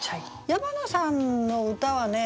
矢花さんの歌はね